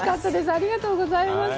ありがとうございます。